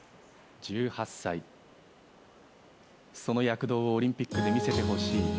１８歳、その躍動をオリンピックで見せてほしい。